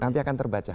nanti akan terbaca